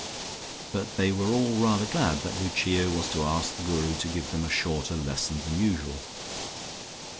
But they were all rather glad that Lucia was to ask the Guru to give them a shorter lesson than usual.